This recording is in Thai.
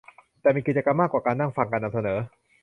แต่มีกิจกรรมมากกว่าการนั่งฟังการนำเสนอ